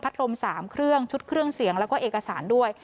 รม๓เครื่องชุดเครื่องเสียงแล้วก็เอกสารด้วย